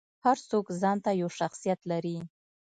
هر څوک ځانته یو شخصیت لري.